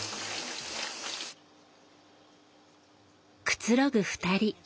くつろぐ２人。